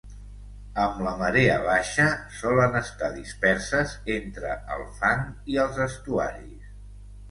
Amb la marea baixa solen estar disperses entre el fang i els estuaris.